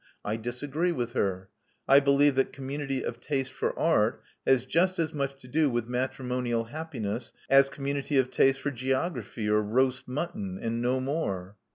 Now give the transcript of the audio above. I disagree with her. I believe that community of taste for art has just as much to do with matrimonial happiness as com munity of taste for geography or roast mutton, and no more."